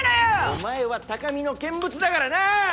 お前は高みの見物だからな！！